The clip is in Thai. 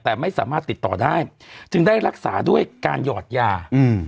แต่ไม่สามารถติดต่อได้จึงได้รักษาด้วยการหยอดยาอืม